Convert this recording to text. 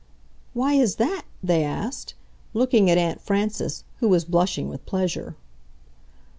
"Why is that?" they asked, looking at Aunt Frances, who was blushing with pleasure.